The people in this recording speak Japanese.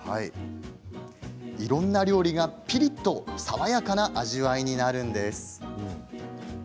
いろんな料理がピリッと爽やかな味わいになるんです。